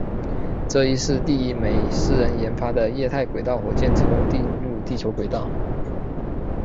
这亦是第一枚私人研发的液态轨道火箭成功进入地球轨道。